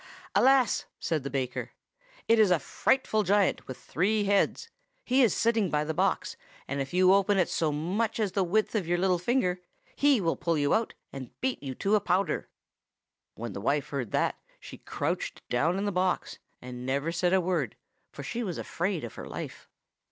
"'Alas!' said the baker; 'it is a frightful giant with three heads. He is sitting by the box, and if you open it so much as the width of your little finger, he will pull you out and beat you to powder.' "When the wife heard that she crouched down in the box, and said never a word, for she was afraid of her life.